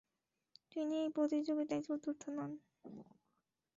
তিনি এই প্রতিযোগিতায় চতুর্থ হন।